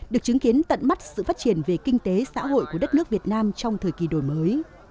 được chứng kiến tận mắt sự phát triển về kinh tế xã hội của đất nước việt nam trong thời kỳ đổi mới